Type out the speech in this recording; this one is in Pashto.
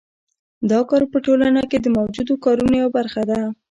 دا کار په ټولنه کې د موجودو کارونو یوه برخه ده